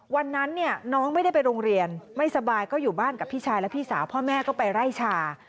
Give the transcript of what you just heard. วันนั้นเนี่ยน้องไม่ได้ไปโรงเรียนไม่สบายก็อยู่บ้านกับพี่ชายและพี่สาวพ่อแม่ก็ไปไล่ชา